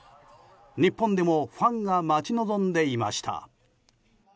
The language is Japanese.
日本でもファンが待ち望んでいました。